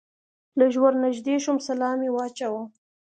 لږ ور نږدې شوم سلام مې واچاوه.